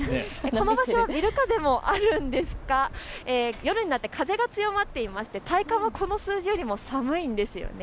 この場所はビル風もあるんですが夜になって風が強まっていまして体感はこの数字よりも寒いんです。